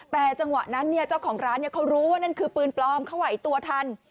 แต่จังหวะนั้นเจ้าของร้านเขารู้ว่านั่นคือปืนปลอมเขาไหวตัวทัน